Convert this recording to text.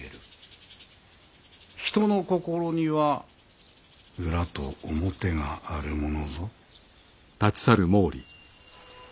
人の心には裏と表があるものぞ。